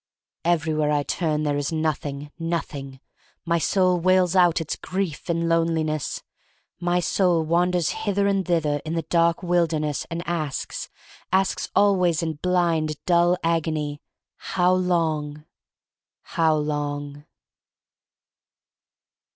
Everywhere I turn there is Nothing — Nothing. My soul wails out its grief in loneli ness. My soul wanders hither and thither in the dark wilderness and asks, asks always in blind, dull agony. How long? — how long?